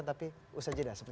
nah terima kasih pak